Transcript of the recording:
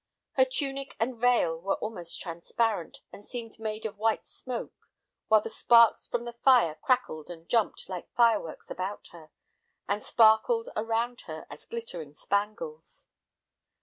Her tunic and veil were almost transparent, and seemed made of white smoke, while the sparks from the fire crackled and jumped like fireworks about her, and sparkled around her as glittering spangles.